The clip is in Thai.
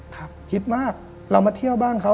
คิดมากเรามาเที่ยวบ้านเขา